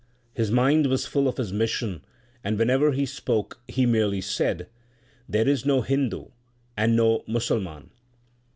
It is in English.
His mind was full of his mission, and whenever he spoke he merely said, There is no Hindu and no Musalman.